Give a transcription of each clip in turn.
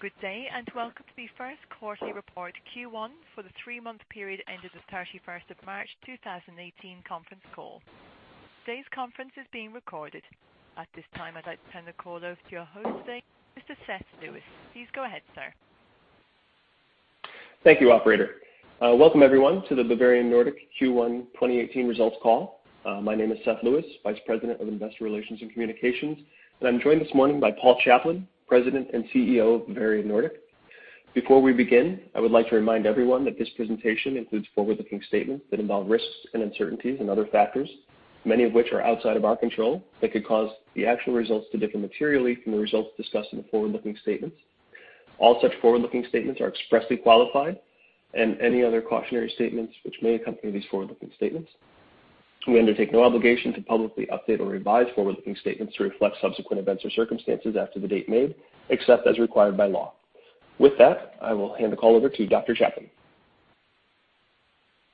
Good day, and welcome to the first quarterly report Q1 for the three-month period ended the 31st of March 2018 conference call. Today's conference is being recorded. At this time, I'd like to turn the call over to your host today, Mr. Seth Lewis. Please go ahead, sir. Thank you, operator. Welcome everyone, to the Bavarian Nordic Q1 2018 results call. My name is Seth Lewis, Vice President of Investor Relations and Communications, and I'm joined this morning by Paul Chaplin, President and CEO of Bavarian Nordic. Before we begin, I would like to remind everyone that this presentation includes forward-looking statements that involve risks and uncertainties and other factors, many of which are outside of our control, that could cause the actual results to differ materially from the results discussed in the forward-looking statements. All such forward-looking statements are expressly qualified, any other cautionary statements which may accompany these forward-looking statements. We undertake no obligation to publicly update or revise forward-looking statements to reflect subsequent events or circumstances after the date made, except as required by law. With that, I will hand the call over to Dr. Chaplin.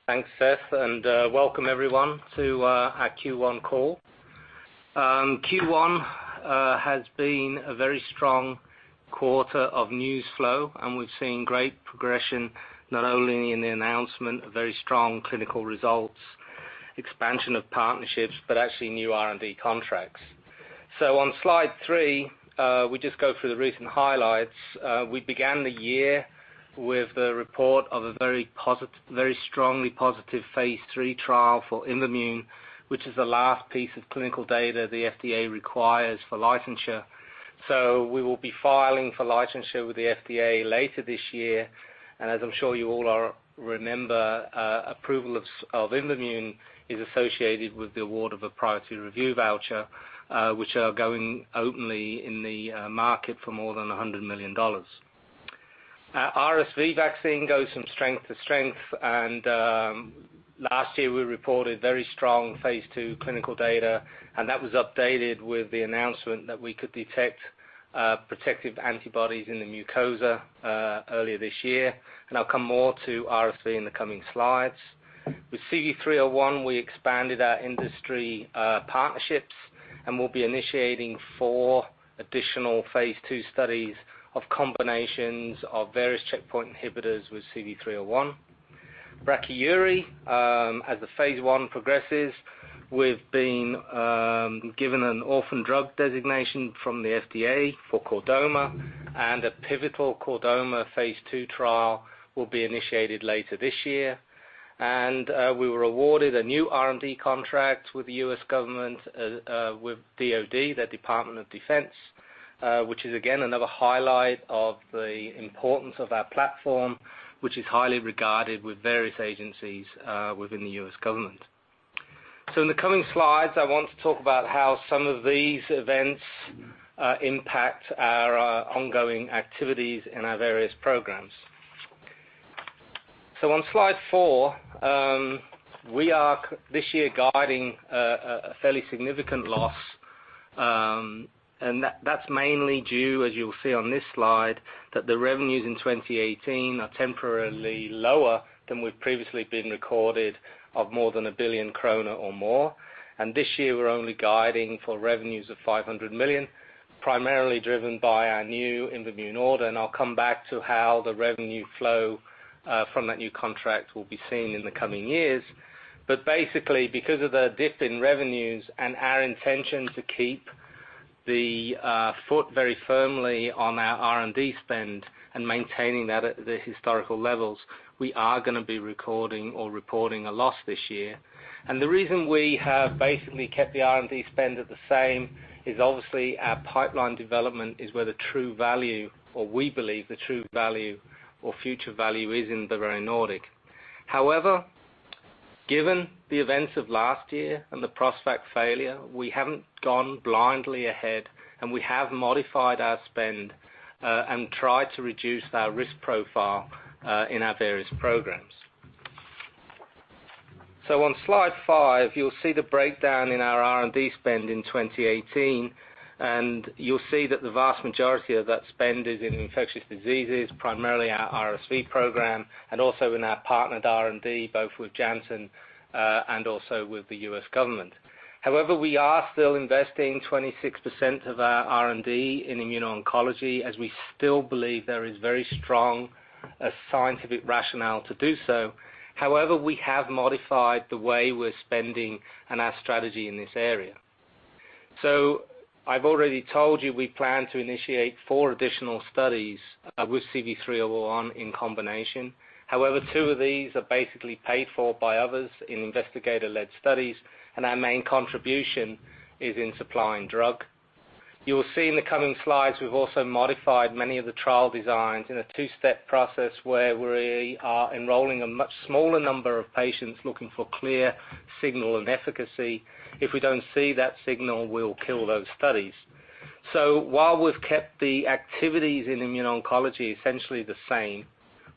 Thanks, Seth, and welcome everyone to our Q1 call. Q1 has been a very strong quarter of news flow, and we've seen great progression, not only in the announcement of very strong clinical results, expansion of partnerships, but actually new R&D contracts. On slide three, we just go through the recent highlights. We began the year with the report of a very strongly positive phase III trial for Imvamune, which is the last piece of clinical data the FDA requires for licensure. We will be filing for licensure with the FDA later this year, and as I'm sure you all remember, approval of Imvamune is associated with the award of a priority review voucher, which are going openly in the market for more than $100 million. RSV vaccine goes from strength to strength. Last year, we reported very strong phase II clinical data, and that was updated with the announcement that we could detect protective antibodies in the mucosal earlier this year. I'll come more to RSV in the coming slides. With CV301, we expanded our industry partnerships. We'll be initiating four additional phase II studies of combinations of various checkpoint inhibitors with CV301. Brachyury, as the phase I progresses, we've been given an Orphan Drug Designation from the FDA for chordoma. A pivotal chordoma phase II trial will be initiated later this year. We were awarded a new R&D contract with the U.S. government, with DOD, the Department of Defense, which is again, another highlight of the importance of our platform, which is highly regarded with various agencies within the U.S. government. In the coming slides, I want to talk about how some of these events impact our ongoing activities in our various programs. On slide four, we are this year guiding a fairly significant loss, and that's mainly due, as you'll see on this slide, that the revenues in 2018 are temporarily lower than we've previously been recorded of more than 1 billion kroner or more. This year, we're only guiding for revenues of 500 million, primarily driven by our new Imvamune order. I'll come back to how the revenue flow from that new contract will be seen in the coming years. Basically, because of the dip in revenues and our intention to keep the foot very firmly on our R&D spend and maintaining that at the historical levels, we are gonna be recording or reporting a loss this year. The reason we have basically kept the R&D spend at the same, is obviously our pipeline development is where the true value, or we believe the true value or future value is in Bavarian Nordic. However, given the events of last year and the PROSPECT failure, we haven't gone blindly ahead, and we have modified our spend and tried to reduce our risk profile in our various programs. On slide five, you'll see the breakdown in our R&D spend in 2018, and you'll see that the vast majority of that spend is in infectious diseases, primarily our RSV program and also in our partnered R&D, both with Janssen and also with the U.S. government. However, we are still investing 26% of our R&D in immuno-oncology, as we still believe there is very strong scientific rationale to do so. However, we have modified the way we're spending and our strategy in this area. I've already told you, we plan to initiate four additional studies with CV301 in combination. However, two of these are basically paid for by others in investigator-led studies, and our main contribution is in supplying drug. You will see in the coming slides, we've also modified many of the trial designs in a two-step process, where we are enrolling a much smaller number of patients looking for clear signal and efficacy. If we don't see that signal, we'll kill those studies. While we've kept the activities in immuno-oncology essentially the same,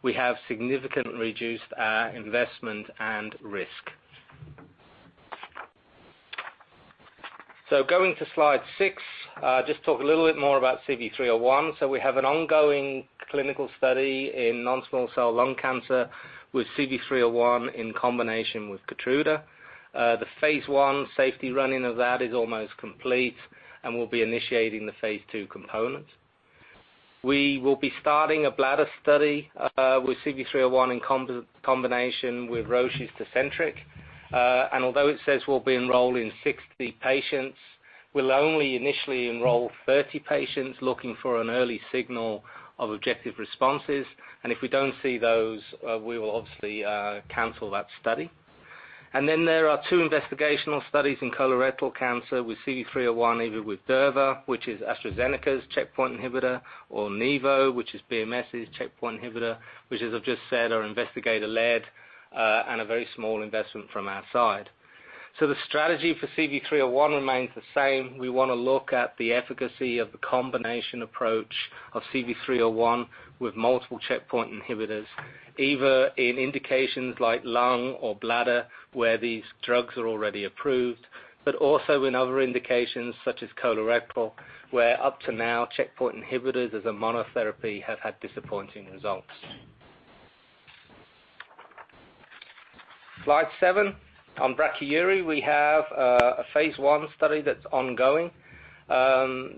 we have significantly reduced our investment and risk. Going to slide six, just talk a little bit more about CV301. We have an ongoing clinical study in non-small cell lung cancer with CV301 in combination with Keytruda. The phase I safety running of that is almost complete, and we'll be initiating the phase II components. We will be starting a bladder study with CV301 in combination with Roche's Tecentriq. Although it says we'll be enrolling 60 patients, we'll only initially enroll 30 patients, looking for an early signal of objective responses, and if we don't see those, we will obviously cancel that study. Then there are two investigational studies in colorectal cancer with CV301, either with Durva, which is AstraZeneca's checkpoint inhibitor, or Nivo, which is BMS's checkpoint inhibitor, which, as I've just said, are investigator-led, and a very small investment from our side. The strategy for CV301 remains the same. We wanna look at the efficacy of the combination approach of CV301 with multiple checkpoint inhibitors, either in indications like lung or bladder, where these drugs are already approved, but also in other indications, such as colorectal, where up to now, checkpoint inhibitors as a monotherapy have had disappointing results. Slide seven. On Brachyury, we have a phase I study that's ongoing.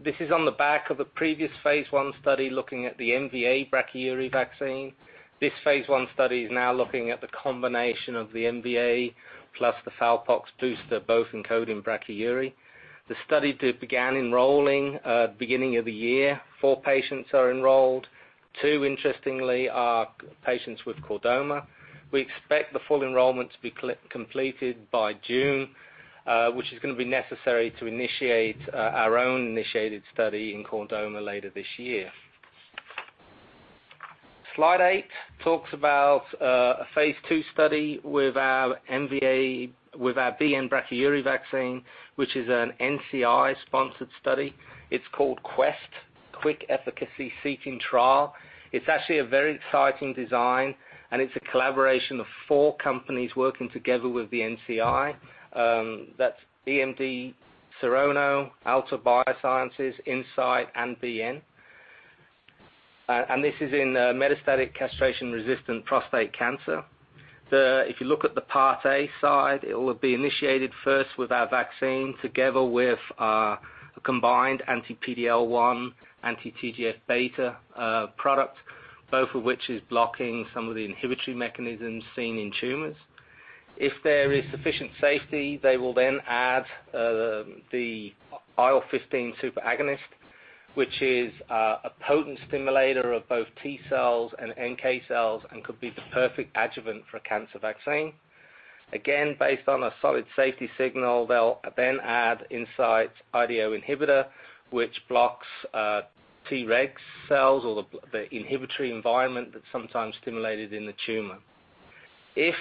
This is on the back of a previous phase I study looking at the MVA Brachyury vaccine. This phase I study is now looking at the combination of the MVA plus the FOLFOX booster, both encoding Brachyury. The study began enrolling at beginning of the year. Four patients are enrolled. Two, interestingly, are patients with chordoma. We expect the full enrollment to be completed by June, which is gonna be necessary to initiate our own initiated study in chordoma later this year. Slide eight talks about a phase II study with our MVA, with our BN-Brachyury vaccine, which is an NCI-sponsored study. It's called QuEST, Quick Efficacy Seeking Trial. It's actually a very exciting design. It's a collaboration of four companies working together with the NCI. That's EMD Serono, Altor BioScience, Incyte, and BN. This is in metastatic castration-resistant prostate cancer. If you look at the Part A side, it will be initiated first with our vaccine, together with a combined anti-PD-L1, anti-TGF beta product, both of which is blocking some of the inhibitory mechanisms seen in tumors. If there is sufficient safety, they will then add the IL-15 superagonist, which is a potent stimulator of both T cells and NK cells and could be the perfect adjuvant for a cancer vaccine. Again, based on a solid safety signal, they'll then add Incyte's IDO inhibitor, which blocks Treg cells or the inhibitory environment that's sometimes stimulated in the tumor. If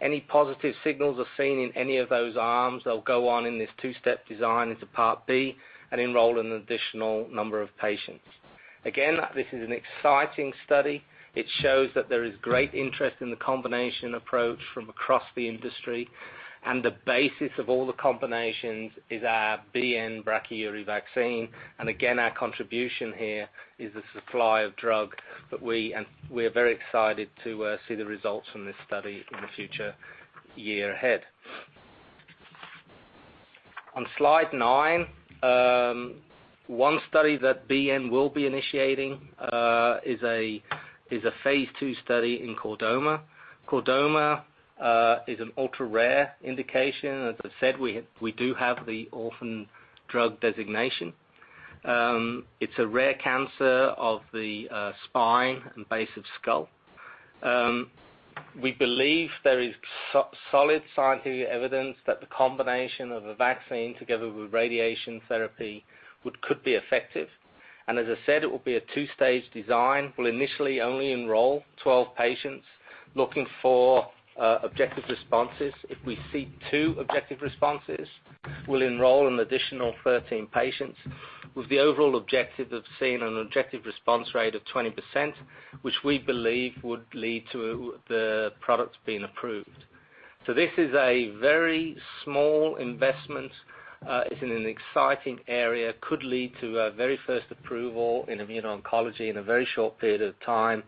any positive signals are seen in any of those arms, they'll go on in this two-step design into Part B and enroll an additional number of patients. Again, this is an exciting study. It shows that there is great interest in the combination approach from across the industry, and the basis of all the combinations is our BN-Brachyury vaccine. Again, our contribution here is the supply of drug that we. We're very excited to see the results from this study in the future year ahead. On slide nine, one study that BN will be initiating is a phase II study in chordoma. Chordoma is an ultra-rare indication. As I said, we do have the Orphan Drug Designation. It's a rare cancer of the spine and base of skull. We believe there is solid scientific evidence that the combination of a vaccine together with radiation therapy could be effective. As I said, it will be a two-stage design. We'll initially only enroll 12 patients looking for objective responses. If we see two objective responses, we'll enroll an additional 13 patients, with the overall objective of seeing an objective response rate of 20%, which we believe would lead to the product being approved. This is a very small investment. It's in an exciting area, could lead to a very first approval in immuno-oncology in a very short period of time.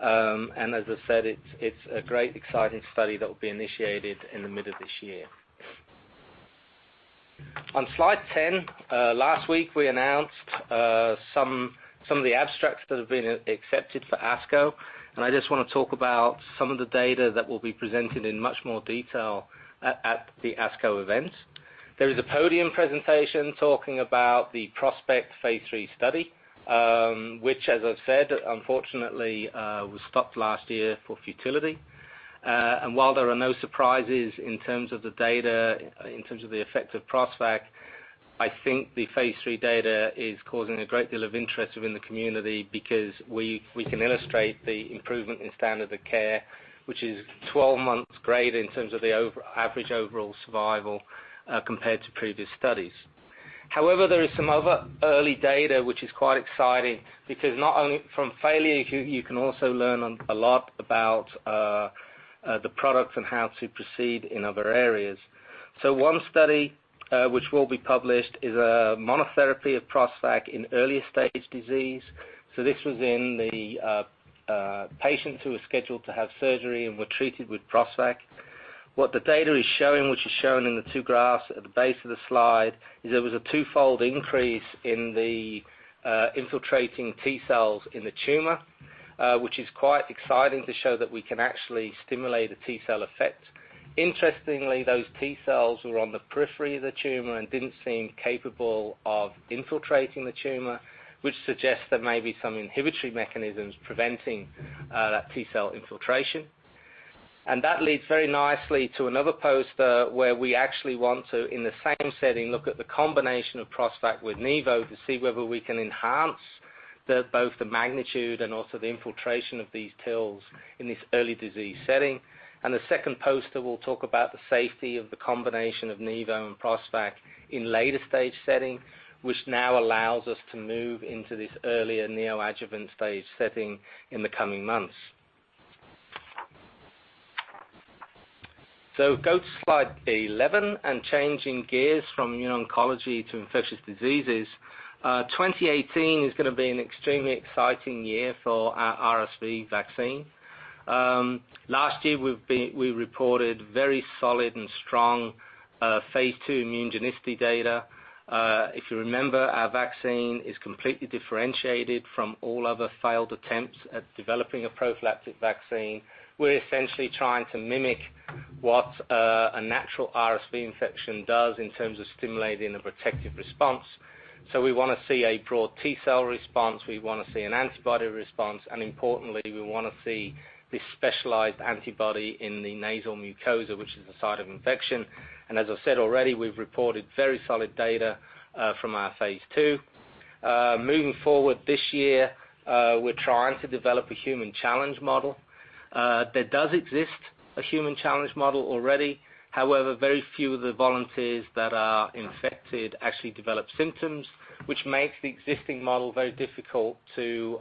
As I said, it's a great exciting study that will be initiated in the middle of this year. On slide 10, last week, we announced some of the abstracts that have been accepted for ASCO. I just wanna talk about some of the data that will be presented in much more detail at the ASCO event. There is a podium presentation talking about the PROSPECT phase III study, which, as I've said, unfortunately, was stopped last year for futility. While there are no surprises in terms of the data, in terms of the effect of PROSTVAC, I think the phase III data is causing a great deal of interest within the community because we can illustrate the improvement in standard of care, which is 12 months grade in terms of the average overall survival, compared to previous studies. However, there is some other early data which is quite exciting, because not only from failure, you can also learn a lot about the products and how to proceed in other areas. One study, which will be published, is a monotherapy of PROSTVAC in earlier stage disease. This was in the patients who were scheduled to have surgery and were treated with PROSTVAC. The data is showing, which is shown in the two graphs at the base of the slide, is there was a twofold increase in the infiltrating T cells in the tumor, which is quite exciting to show that we can actually stimulate a T cell effect. Interestingly, those T cells were on the periphery of the tumor and didn't seem capable of infiltrating the tumor, which suggests there may be some inhibitory mechanisms preventing that T cell infiltration. That leads very nicely to another poster, where we actually want to, in the same setting, look at the combination of PROSTVAC with Opdivo to see whether we can enhance the, both the magnitude and also the infiltration of these TILs in this early disease setting. The second poster will talk about the safety of the combination of Opdivo and PROSTVAC in later stage setting, which now allows us to move into this earlier neoadjuvant stage setting in the coming months. Go to slide 11, and changing gears from immuno-oncology to infectious diseases. 2018 is gonna be an extremely exciting year for our RSV vaccine. Last year, we reported very solid and strong phase II immunogenicity data. If you remember, our vaccine is completely differentiated from all other failed attempts at developing a prophylactic vaccine. We're essentially trying to mimic what a natural RSV infection does in terms of stimulating a protective response. We wanna see a broad T cell response, we wanna see an antibody response, and importantly, we wanna see this specialized antibody in the nasal mucosa, which is the site of infection. As I said already, we've reported very solid data from our phase II. Moving forward this year, we're trying to develop a human challenge model. There does exist a human challenge model already. However, very few of the volunteers that are infected actually develop symptoms, which makes the existing model very difficult to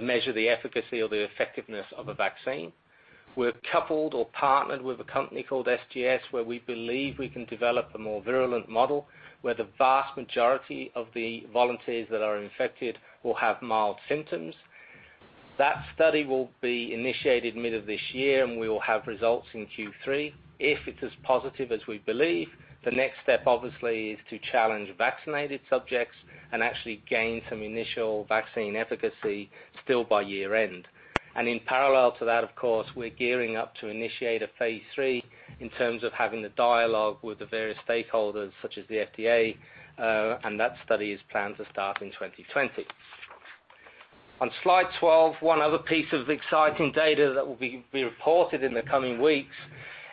measure the efficacy or the effectiveness of a vaccine. We're coupled or partnered with a company called SGS, where we believe we can develop a more virulent model, where the vast majority of the volunteers that are infected will have mild symptoms. That study will be initiated mid of this year, and we will have results in Q3. If it's as positive as we believe, the next step, obviously, is to challenge vaccinated subjects and actually gain some initial vaccine efficacy still by year-end. In parallel to that, of course, we're gearing up to initiate a phase III in terms of having the dialogue with the various stakeholders, such as the FDA, and that study is planned to start in 2020. On slide 12, one other piece of exciting data that will be reported in the coming weeks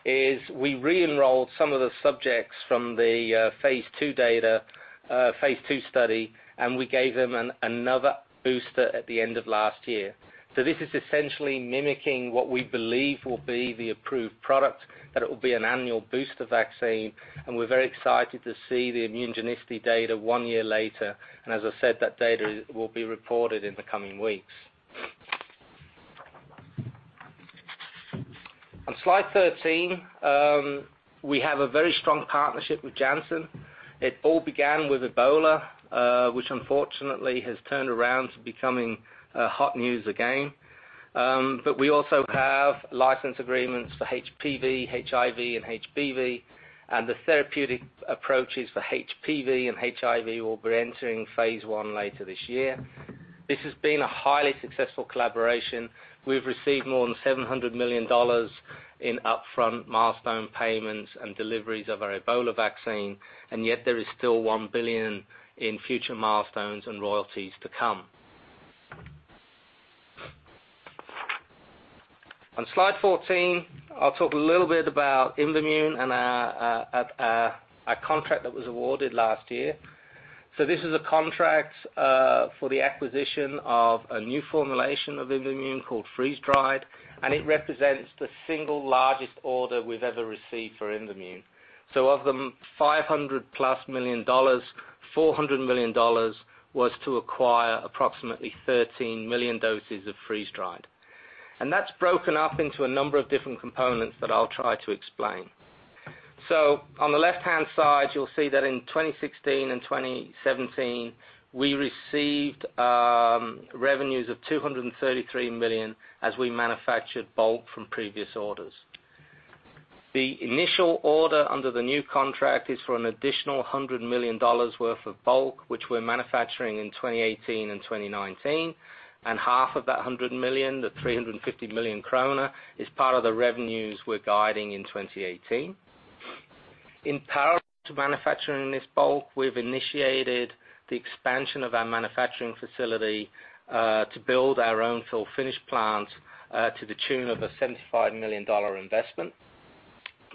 is we re-enrolled some of the subjects from the phase II data, phase II study, and we gave them another booster at the end of last year. This is essentially mimicking what we believe will be the approved product, that it will be an annual booster vaccine, and we're very excited to see the immunogenicity data one year later. As I said, that data will be reported in the coming weeks. On slide 13, we have a very strong partnership with Janssen. It all began with Ebola, which unfortunately has turned around to becoming hot news again. We also have license agreements for HPV, HIV, and HBV, and the therapeutic approaches for HPV and HIV will be entering phase I later this year. This has been a highly successful collaboration. We've received more than $700 million in upfront milestone payments and deliveries of our Ebola vaccine, yet there is still $1 billion in future milestones and royalties to come. On slide 14, I'll talk a little bit about Imvamune and our contract that was awarded last year. This is a contract for the acquisition of a new formulation of Imvamune called freeze-dried, it represents the single largest order we've ever received for Imvamune. Of the $500+ million, $400 million was to acquire approximately 13 million doses of freeze-dried. That's broken up into a number of different components that I'll try to explain. On the left-hand side, you'll see that in 2016 and 2017, we received revenues of 233 million as we manufactured bulk from previous orders. The initial order under the new contract is for an additional $100 million worth of bulk, which we're manufacturing in 2018 and 2019, and half of that $100 million, the 350 million kroner, is part of the revenues we're guiding in 2018. In parallel to manufacturing this bulk, we've initiated the expansion of our manufacturing facility to build our own fill finish plant to the tune of a $75 million investment.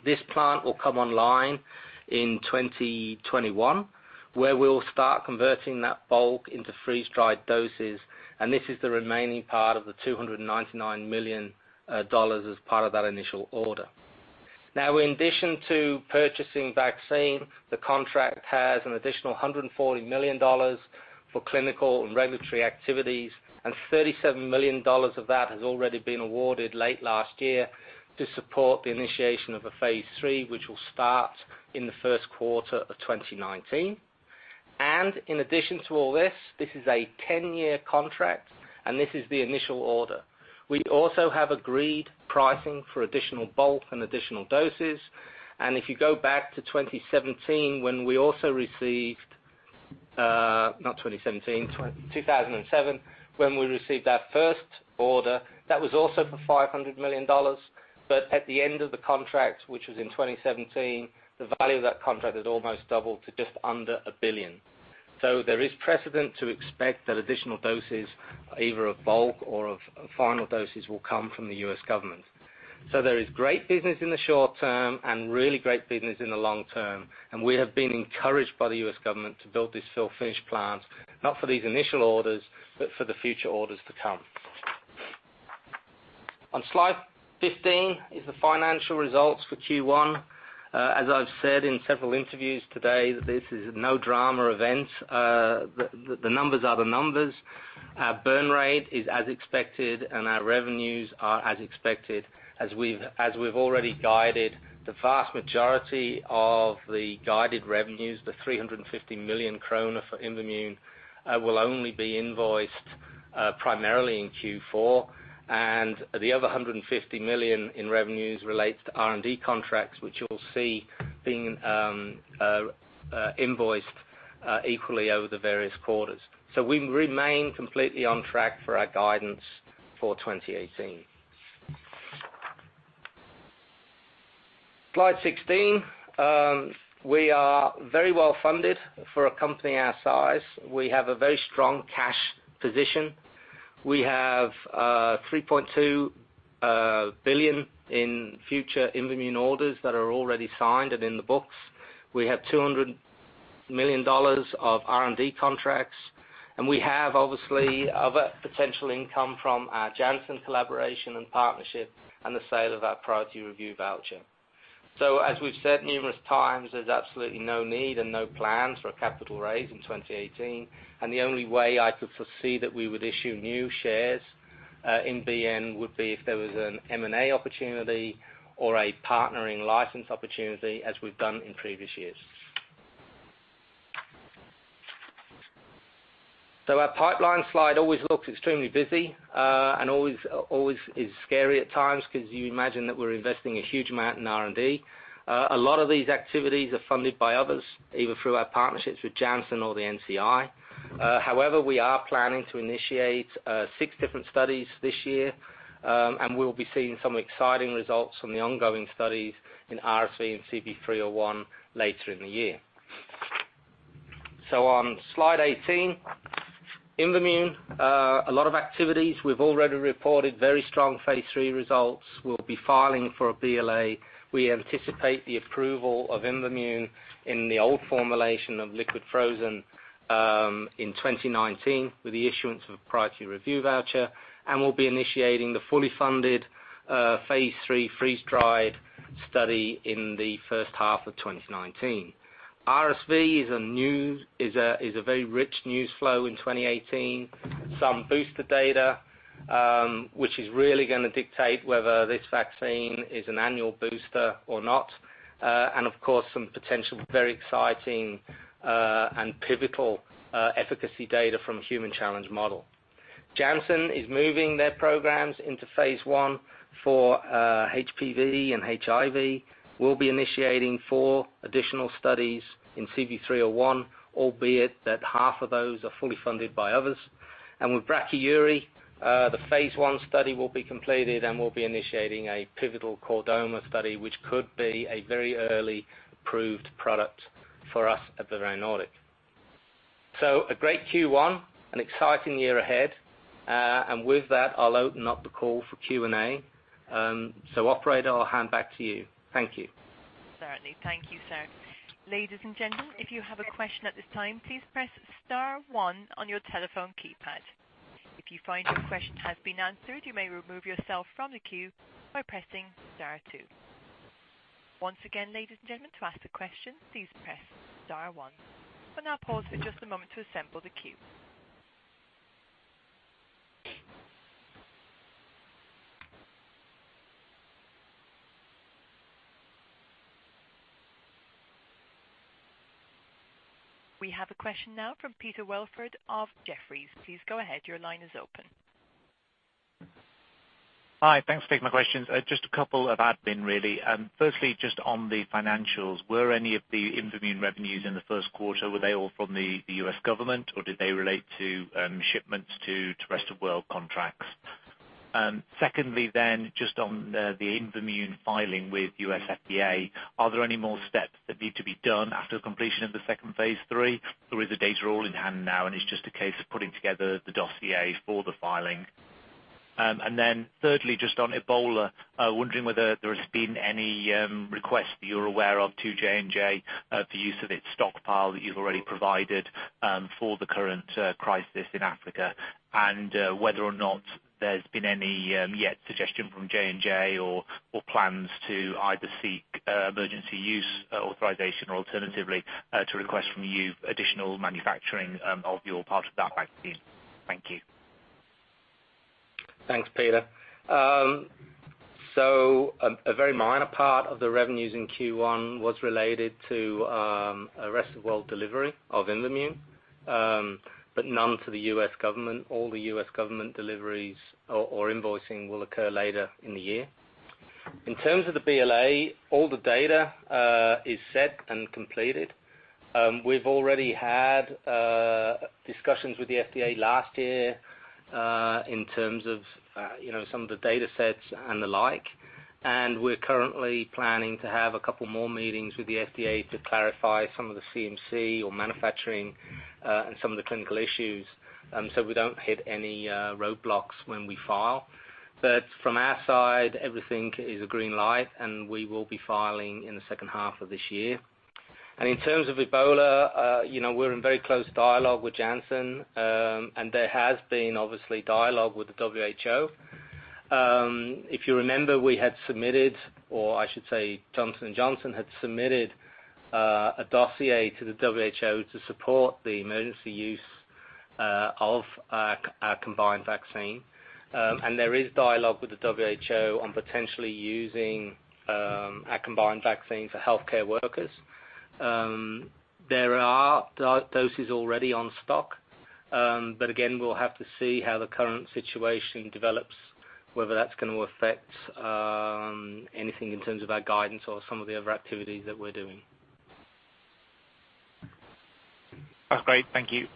This plant will come online in 2021, where we'll start converting that bulk into freeze-dried doses. This is the remaining part of the $299 million as part of that initial order. In addition to purchasing vaccine, the contract has an additional $140 million for clinical and regulatory activities, and $37 million of that has already been awarded late last year to support the initiation of a phase III, which will start in the first quarter of 2019. In addition to all this is a 10-year contract, and this is the initial order. We also have agreed pricing for additional bulk and additional doses. If you go back to 2017, when we also received, not 2017, 2007, when we received our first order, that was also for $500 million. At the end of the contract, which was in 2017, the value of that contract had almost doubled to just under $1 billion. There is precedent to expect that additional doses, either of bulk or of final doses, will come from the U.S. government. There is great business in the short term and really great business in the long term, and we have been encouraged by the U.S. government to build this fill-finish plant, not for these initial orders, but for the future orders to come. On slide 15 is the financial results for Q1. As I've said in several interviews today, this is no drama event. The numbers are the numbers. Our burn rate is as expected, and our revenues are as expected. As we've already guided, the vast majority of the guided revenues, the 350 million kroner for Imvamune, will only be invoiced primarily in Q4, and the other 150 million in revenues relates to R&D contracts, which you'll see being invoiced equally over the various quarters. We remain completely on track for our guidance for 2018. Slide 16. We are very well funded for a company our size. We have a very strong cash position. We have 3.2 billion in future Imvamune orders that are already signed and in the books. We have $200 million of R&D contracts. We have, obviously, other potential income from our Janssen collaboration and partnership and the sale of our priority review voucher. As we've said numerous times, there's absolutely no need and no plans for a capital raise in 2018. The only way I could foresee that we would issue new shares in BN, would be if there was an M&A opportunity or a partnering license opportunity, as we've done in previous years. Our pipeline slide always looks extremely busy and always is scary at times because you imagine that we're investing a huge amount in R&D. A lot of these activities are funded by others, either through our partnerships with Janssen or the NCI. However, we are planning to initiate six different studies this year, and we'll be seeing some exciting results from the ongoing studies in RSV and CV301 later in the year. On slide 18, Imvamune, a lot of activities. We've already reported very strong phase III results. We'll be filing for a BLA. We anticipate the approval of Imvamune in the old formulation of liquid frozen in 2019, with the issuance of a priority review voucher, and we'll be initiating the fully funded phase III freeze-dried study in the first half of 2019. RSV is a very rich news flow in 2018. Some booster data, which is really gonna dictate whether this vaccine is an annual booster or not, and of course, some potential very exciting and pivotal efficacy data from a human challenge model. Janssen is moving their programs into phase I for HPV and HIV. We'll be initiating four additional studies in CV301, albeit that half of those are fully funded by others. With brachyury, the phase I study will be completed, and we'll be initiating a pivotal chordoma study, which could be a very early approved product for us at Bavarian Nordic. A great Q1, an exciting year ahead, and with that, I'll open up the call for Q&A. Operator, I'll hand back to you. Thank you. Certainly. Thank you, sir. Ladies and gentlemen, if you have a question at this time, please press star one on your telephone keypad. If you find your question has been answered, you may remove yourself from the queue by pressing star two. Once again, ladies and gentlemen, to ask a question, please press star one. We'll now pause for just a moment to assemble the queue. We have a question now from Peter Welford of Jefferies. Please go ahead. Your line is open. Hi. Thanks for taking my questions. Just a couple of admin, really. Firstly, just on the financials, were any of the Imvamune revenues in the first quarter, were they all from the U.S. government, or did they relate to shipments to rest of world contracts? Secondly, just on the Imvamune filing with U.S. FDA, are there any more steps that need to be done after the completion of the second phase III, or is the data all in hand now, and it's just a case of putting together the dossier for the filing? Then thirdly, just on Ebola, wondering whether there has been any request that you're aware of to J&J, the use of its stockpile that you've already provided, for the current crisis in Africa, and whether or not there's been any yet suggestion from J&J or plans to either seek emergency use authorization or alternatively, to request from you additional manufacturing of your part of that vaccine? Thank you. Thanks, Peter. A very minor part of the revenues in Q1 was related to a rest of world delivery of Imvamune, but none to the U.S. government. All the U.S. government deliveries or invoicing will occur later in the year. In terms of the BLA, all the data is set and completed. We've already had discussions with the FDA last year, in terms of, you know, some of the datasets and the like. We're currently planning to have two more meetings with the FDA to clarify some of the CMC or manufacturing, and some of the clinical issues, so we don't hit any roadblocks when we file. From our side, everything is a green light, and we will be filing in the second half of this year. In terms of Ebola, you know, we're in very close dialogue with Janssen, and there has been obviously dialogue with the WHO. If you remember, we had submitted, or I should say, Johnson & Johnson had submitted, a dossier to the WHO to support the emergency use of our combined vaccine. There is dialogue with the WHO on potentially using a combined vaccine for healthcare workers. There are doses already on stock, but again, we'll have to see how the current situation develops, whether that's going to affect anything in terms of our guidance or some of the other activities that we're doing. That's great. Thank you.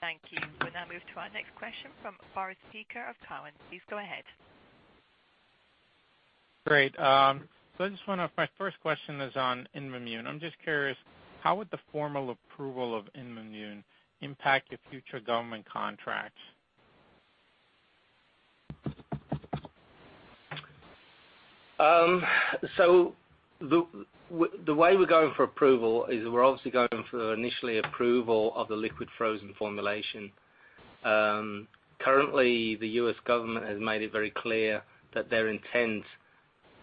Thank you. We'll now move to our next question from Boris Peaker of Cowen. Please go ahead. Great. My first question is on Imvamune. I'm just curious, how would the formal approval of Imvamune impact your future government contracts? The way we're going for approval is we're obviously going for initially approval of the liquid frozen formulation. Currently, the U.S. government has made it very clear that their intent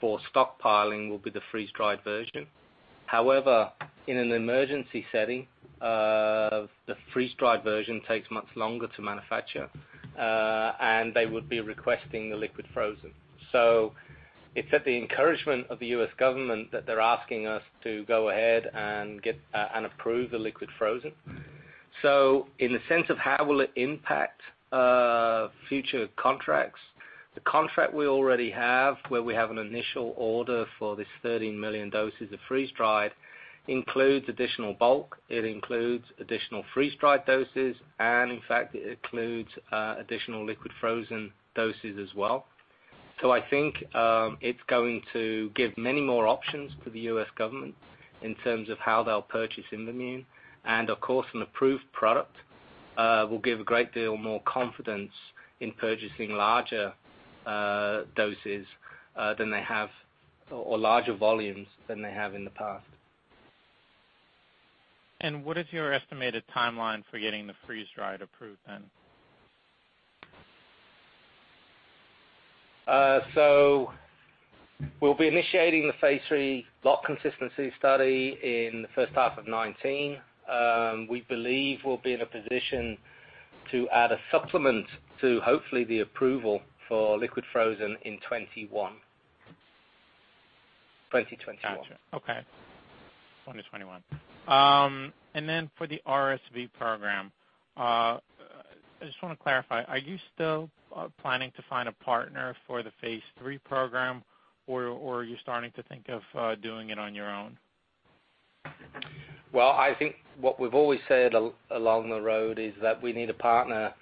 for stockpiling will be the freeze-dried version. However, in an emergency setting, the freeze-dried version takes much longer to manufacture, and they would be requesting the liquid frozen. It's at the encouragement of the U.S. government that they're asking us to go ahead and get and approve the liquid frozen. In the sense of how will it impact future contracts, the contract we already have, where we have an initial order for these 13 million doses of freeze-dried, includes additional bulk, it includes additional freeze-dried doses, and in fact, it includes additional liquid frozen doses as well. I think, it's going to give many more options to the U.S. government in terms of how they'll purchase Imvamune. Of course, an approved product, will give a great deal more confidence in purchasing larger doses, than they have, or larger volumes than they have in the past. What is your estimated timeline for getting the freeze-dried approved then? We'll be initiating the phase III lot consistency study in the first half of 2019. We believe we'll be in a position to add a supplement to hopefully the approval for liquid frozen in 2021. Gotcha. Okay, 2021. For the RSV program, I just want to clarify, are you still planning to find a partner for the phase III program, or are you starting to think of doing it on your own? Well, I think what we've always said along the road is that we need a partner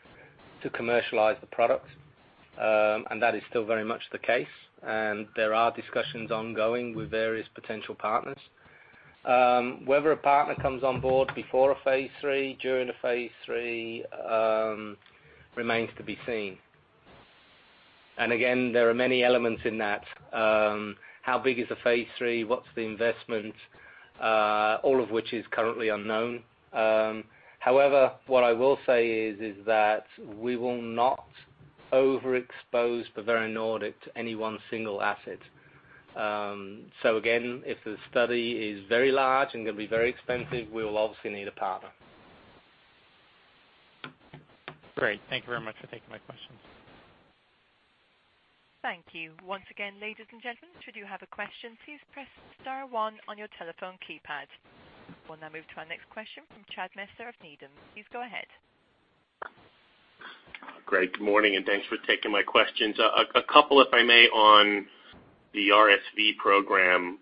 to commercialize the product, that is still very much the case, there are discussions ongoing with various potential partners. Whether a partner comes on board before a phase III, during the phase III, remains to be seen. Again, there are many elements in that. How big is the phase III? What's the investment? All of which is currently unknown. However, what I will say is that we will not overexpose Bavarian Nordic to any one single asset. Again, if the study is very large and gonna be very expensive, we will obviously need a partner. Great. Thank you very much for taking my questions. Thank you. Once again, ladies and gentlemen, should you have a question, please press star one on your telephone keypad. We'll now move to our next question from Chad Messer of Needham. Please go ahead. Great, good morning, and thanks for taking my questions. A couple, if I may, on the RSV program.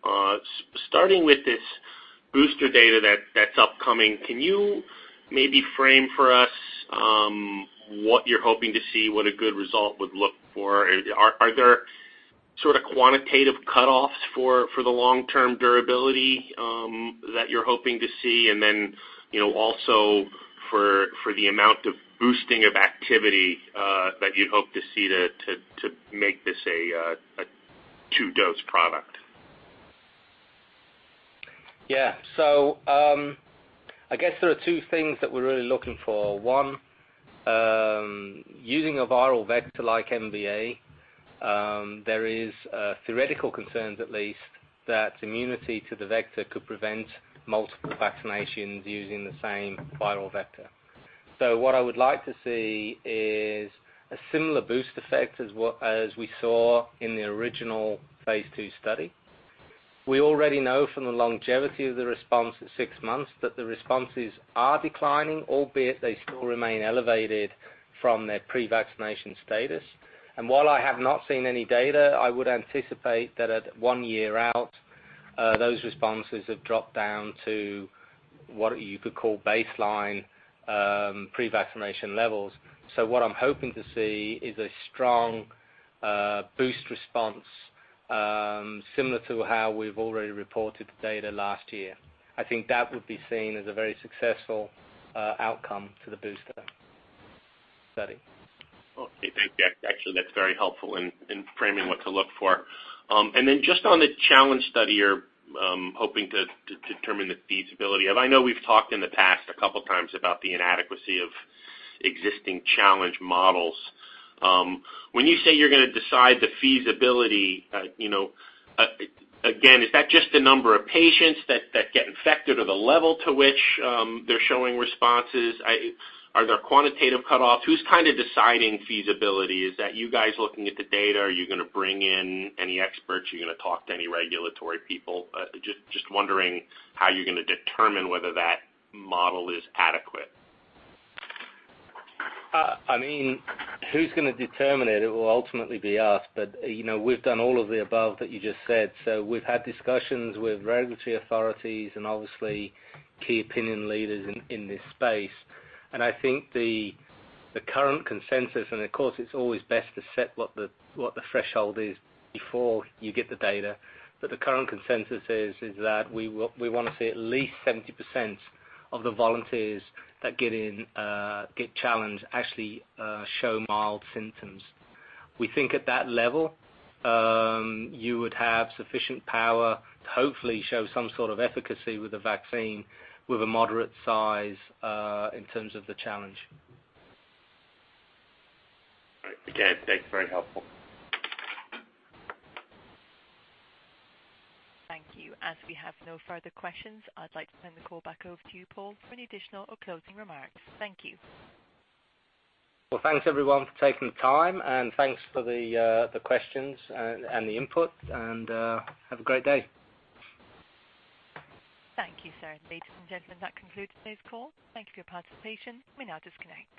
Starting with this booster data that's upcoming, can you maybe frame for us, what you're hoping to see, what a good result would look for? Are there sort of quantitative cutoffs for the long-term durability, that you're hoping to see? You know, also for the amount of boosting of activity, that you'd hope to see to make this a two-dose product. Yeah. I guess there are two things that we're really looking for. One, using a viral vector like MVA. There is theoretical concerns, at least, that immunity to the vector could prevent multiple vaccinations using the same viral vector. What I would like to see is a similar boost effect as we saw in the original phase II study. We already know from the longevity of the response at six months, that the responses are declining, albeit they still remain elevated from their pre-vaccination status. While I have not seen any data, I would anticipate that at 1 year out, those responses have dropped down to what you could call baseline, pre-vaccination levels. What I'm hoping to see is a strong boost response, similar to how we've already reported the data last year. I think that would be seen as a very successful outcome to the booster study. Okay, thank you. Actually, that's very helpful in framing what to look for. Then just on the challenge study you're hoping to determine the feasibility of. I know we've talked in the past a couple of times about the inadequacy of existing challenge models. When you say you're gonna decide the feasibility, you know, again, is that just the number of patients that get infected, or the level to which they're showing responses? Are there quantitative cutoffs? Who's kind of deciding feasibility? Is that you guys looking at the data? Are you gonna bring in any experts? Are you gonna talk to any regulatory people? Just wondering how you're gonna determine whether that model is adequate. I mean, who's gonna determine it? It will ultimately be us. You know, we've done all of the above that you just said. We've had discussions with regulatory authorities and, obviously, key opinion leaders in this space. I think the current consensus, and of course, it's always best to set what the threshold is before you get the data. The current consensus is that we want to see at least 70% of the volunteers that get in get challenged, actually, show mild symptoms. We think at that level, you would have sufficient power to hopefully show some sort of efficacy with the vaccine, with a moderate size in terms of the challenge. All right. Again, thanks. Very helpful. Thank you. We have no further questions, I'd like to turn the call back over to you, Paul, for any additional or closing remarks. Thank you. Well, thanks everyone for taking the time, and thanks for the questions and the input, and have a great day. Thank you, sir. Ladies and gentlemen, that concludes today's call. Thank you for your participation. You may now disconnect.